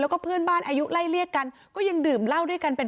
แล้วก็เพื่อนบ้านอายุไล่เรียกกันก็ยังดื่มเหล้าด้วยกันเป็น